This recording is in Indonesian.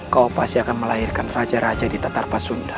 kau pasti akan melahirkan raja raja di tatarpa sunda